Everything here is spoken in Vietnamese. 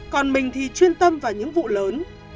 còn mình thì chuyên tâm vào những vụ lớn